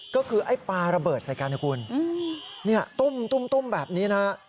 ก็คือไอ้ปลาระเบิดใส่กันนะคุณตุ้มแบบนี้นะฮะ